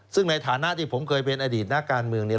ซึ่งในฐานะที่ผมเคยเป็นอดีตนักการเมืองเนี่ย